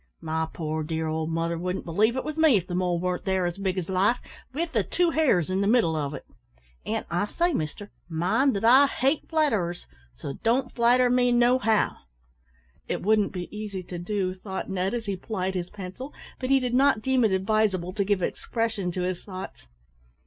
My poor dear old mother wouldn't believe it was me if the mole warn't there as big as life, with the two hairs in the middle of it. An' I say, mister, mind that I hate flatterers, so don't flatter me no how." "It wouldn't be easy to do so," thought Ned, as he plied his pencil, but he did not deem it advisable to give expression to his thoughts.